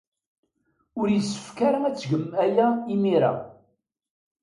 Ur yessefk ara ad tgem aya imir-a.